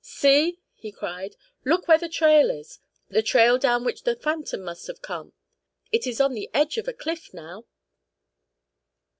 "See!" he cried. "Look where the trail is the trail down which the phantom must have come. It is on the edge of a cliff now!"